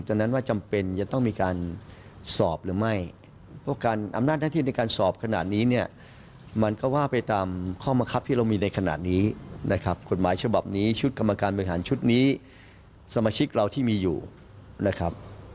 ฟังเสียงในแพทย์ชนนั่นค่ะ